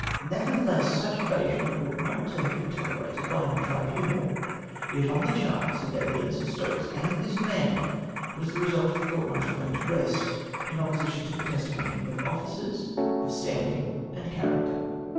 Nevertheless such evasion ought not to have been tolerated by any tribunal. Yet on the charts and evidence of Stokes and tliis man was the result of the court martial made to i est, in opposition to the testimony of officers of standing and character.